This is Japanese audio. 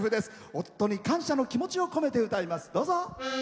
夫に感謝の気持ちを込めて歌います。